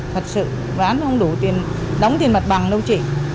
thật sự bán không đủ tiền đóng tiền mặt bằng đâu chỉ